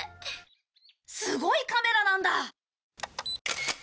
すごいカメラなんだ！